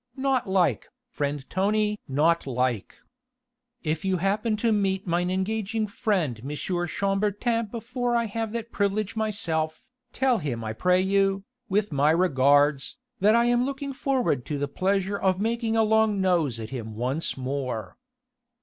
Not like, friend Tony! Not like! If you happen to meet mine engaging friend M. Chambertin before I have that privilege myself, tell him I pray you, with my regards, that I am looking forward to the pleasure of making a long nose at him once more.